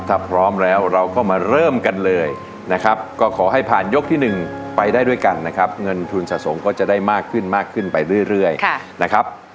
ถ้าพร้อมแล้วเราก็มาเริ่มกันเลยนะครับก็ขอให้ผ่านยกที่๑ไปได้ด้วยกันนะครับเงินทุนสะสมก็จะได้มากขึ้นมากขึ้นไปเรื่อยนะครับ